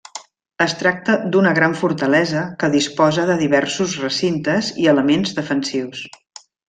Es tracta d'una gran fortalesa que disposa de diversos recintes i elements defensius.